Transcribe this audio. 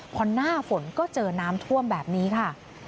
พอหน้าฝนก็เจอน้ำท่วมแบบนี้ค่ะ